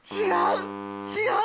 違う。